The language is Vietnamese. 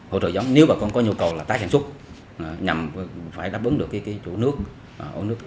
hỗ trợ giống nếu bà con có nhu cầu là tái sản xuất nhằm phải đáp ứng được cái chủ nước ổ nước